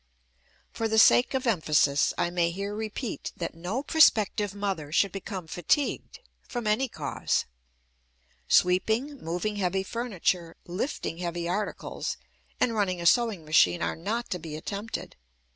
For the sake of emphasis, I may here repeat that no prospective mother should become fatigued from any cause; sweeping, moving heavy furniture, lifting heavy articles, and running a sewing machine are not to be attempted.